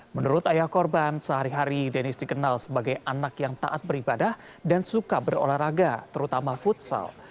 menurut ayah korban sehari hari deniz dikenal sebagai anak yang taat beribadah dan suka berolahraga terutama futsal